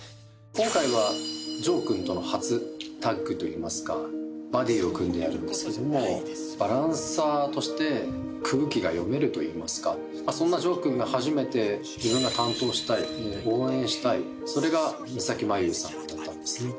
今回は城君との初タッグといいますかバディを組んでやるんですけどもバランサーとして空気が読めるといいますかそんな城君が初めて自分が担当したい応援したいそれが三咲麻有さんだったんですね